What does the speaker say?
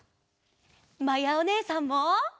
まやおねえさんも！